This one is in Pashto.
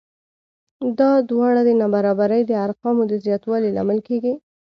دا دواړه د نابرابرۍ د ارقامو د زیاتوالي لامل کېږي